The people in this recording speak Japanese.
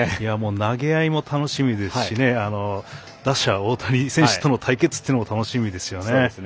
投げ合いも楽しみですし打者、大谷選手との対決も楽しみですよね。